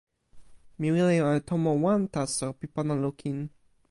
mi wile jo e tomo wan taso pi pona lukin.